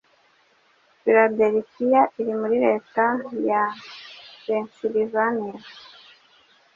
Philadelphia iri muri leta ya Pennsylvania,